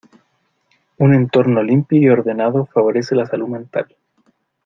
Un entorno limpio y ordenado favorece la salud mental.